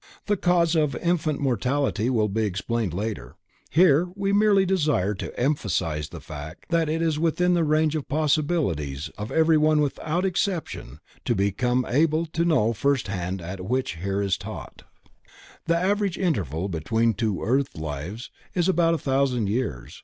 The cause of infant mortality will be explained later, here we merely desire to emphasize the fact that it is within the range of possibilities of every one without exception to become able to know at first hand that which is here taught. The average interval between two earth lives is about a thousand years.